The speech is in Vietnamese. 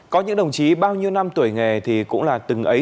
có những đồng chí bao nhiêu năm tuổi nghề thì cũng là từng ấy